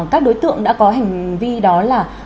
các đối tượng đã có hành vi đó là